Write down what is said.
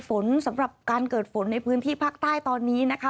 สำหรับการเกิดฝนในพื้นที่ภาคใต้ตอนนี้นะคะ